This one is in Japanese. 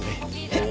えっ？